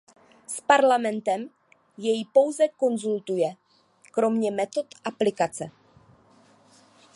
S Parlamentem jej pouze konzultuje, kromě metod aplikace.